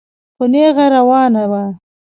خو نېغه روانه وه.